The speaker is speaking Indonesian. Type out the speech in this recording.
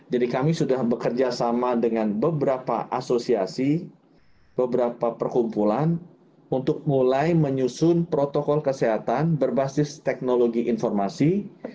jadi kami sudah bekerja sama dengan beberapa asosiasi beberapa perkumpulan untuk mulai menyusun protokol kesehatan berbasis teknologi informasi